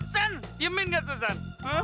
chan yemin gak tuh chan